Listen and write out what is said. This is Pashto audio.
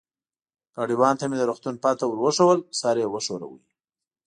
ګاډیوان ته مې د روغتون پته ور وښوول، سر یې و ښوراوه.